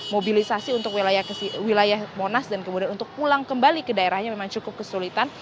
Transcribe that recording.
mobilisasi untuk wilayah monas dan kemudian untuk pulang kembali ke daerahnya memang cukup kesulitan